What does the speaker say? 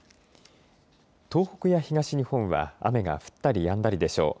東北や東日本は雨が降ったりやんだりでしょう。